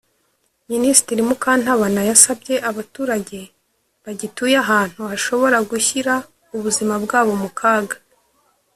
Minisitiri Mukantabana yasabye abaturage bagituye ahantu hashobora gushyira ubuzima bwabo mu kaga